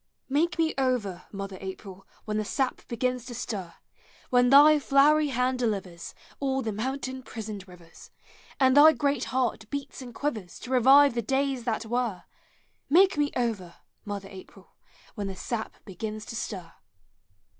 Make me over, mother April, When the sap begins to stir! When thy llowery hand delivers All the mountain prisoned rivers, And thy great heart beats and quivers To revive the days that were, Make me over, mother April, When the sap begins to stir!